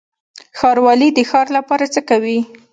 ښاروالي د ښار لپاره څه کوي؟